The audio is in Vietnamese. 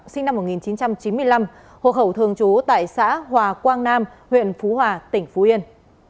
sinh năm một nghìn chín trăm chín mươi năm hộ khẩu thường trú tại xã hòa quang nam huyện phú hòa tỉnh phú yên